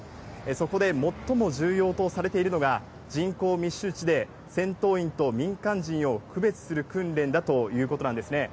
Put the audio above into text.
そこで最も重要とされているのが、人口密集地で戦闘員と民間人を区別する訓練だということなんですね。